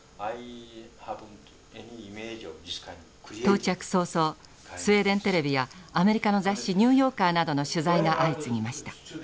到着早々スウェーデン・テレビやアメリカの雑誌「ニューヨーカー」などの取材が相次ぎました。